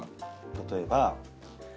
例えば。